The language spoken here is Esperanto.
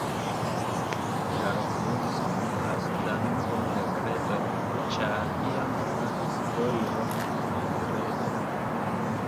La loknomo signifas: Danubo-merkredo, ĉar iam okazis foiro merkrede.